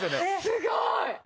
すごい！